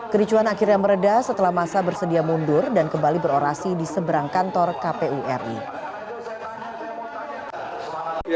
kericuan akhirnya meredah setelah masa bersedia mundur dan kembali berorasi di seberang kantor kpu ri